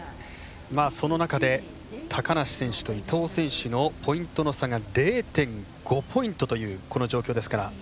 その中で高梨選手と伊藤選手のポイントの差が０．５ポイントというこの状況ですから。